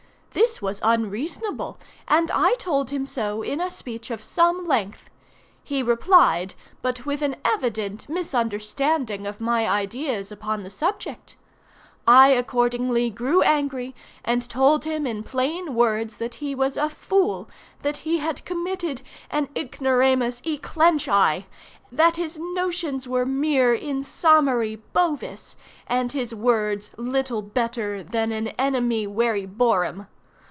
This was unreasonable, and I told him so in a speech of some length. He replied, but with an evident misunderstanding of my ideas upon the subject. I accordingly grew angry, and told him in plain words, that he was a fool, that he had committed an ignoramus e clench eye, that his notions were mere insommary Bovis, and his words little better than an ennemywerrybor'em.